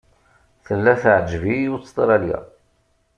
Tella teɛǧeb-iyi Ustṛalya.